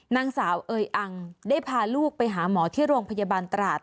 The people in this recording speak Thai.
นางสาวเอยอังได้พาลูกไปหาหมอที่โรงพยาบาลตราด